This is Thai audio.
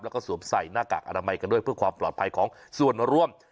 แล้วก็สวมใส่หน้ากากอนามัยกันด้วยเพื่อความปลอดภัยของส่วนร่วม